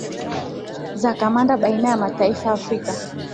za kandanda baina ya mataifa ya afrika